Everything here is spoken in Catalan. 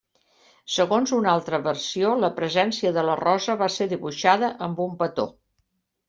Segons una altra versió la presència de la rosa va ser dibuixada amb un petó.